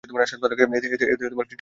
এতে খ্রীস্টকে ব্যঙ্গ করা হয়।